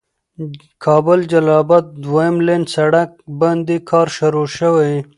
کابل جلال آباد دويم لين سړک باندې کار شروع شوي.